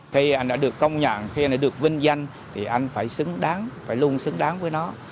khi anh đã được công nhận khi nó được vinh danh thì anh phải xứng đáng phải luôn xứng đáng với nó